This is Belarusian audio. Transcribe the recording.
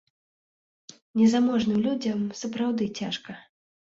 Незаможным людзям сапраўды цяжка.